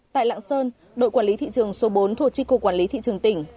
tại lạng sơn đội quản lý thị trường số bốn thuộc trích cụ quản lý thị trường tỉnh